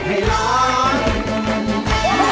เพลงที่๒มูลค่า๒หมื่นบาท